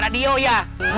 tidak ada yang bisa ngaji